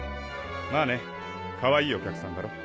まぁねかわいいお客さんだろ？